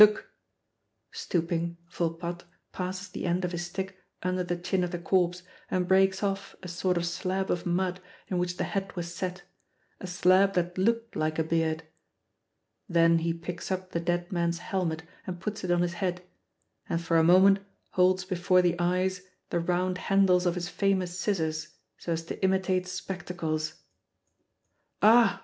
Look " Stooping, Volpatte passes the end of his stick under the chin of the corpse and breaks off a sort of slab of mud in which the head was set, a slab that looked like a beard. Then he picks up the dead man's helmet and puts it on his head, and for a moment holds before the eyes the round handles of his famous scissors so as to imitate spectacles. "Ah!"